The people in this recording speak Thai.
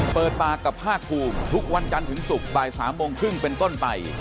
เปิดปากกับภาคภูมิทุกวันจันทร์ถึงศุกร์บ่าย๓โมงครึ่งเป็นต้นไป